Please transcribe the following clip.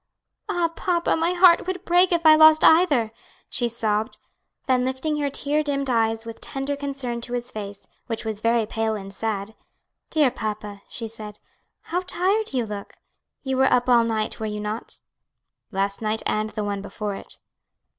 "Ah, papa, my heart would break if I lost either," she sobbed. Then lifting her tear dimmed eyes with tender concern to his face, which was very pale and sad, "Dear papa," she said, "how tired you look! you were up all night, were you not?" "Last night and the one before it."